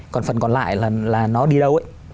còn phần còn lại là nó đi đâu ấy